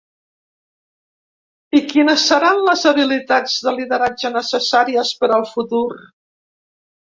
I quines seran les habilitats de lideratge necessàries per al futur?